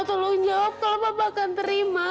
tolong jawab kalau papa akan terima